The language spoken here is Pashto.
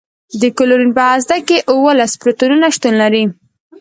د کلورین په هسته کې اوولس پروتونونه شتون لري.